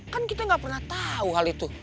kan kita nggak pernah tahu hal itu